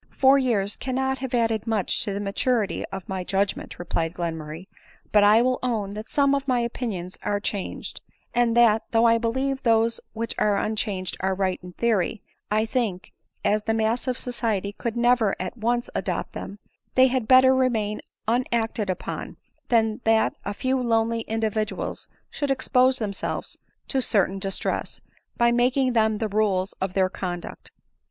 " Four years cannot have added much to the maturity of my judgment," replied Glenmurray ; "but I will own that some of my opinions, are changed ; and that, though I believe those which are unchanged are right in theory, I think, as the mass of society could never at once adopt them, they had better remain unacted upon, than that a few lonely individuals should expose themselves to cer tain distress, by making them the rules of their conduct.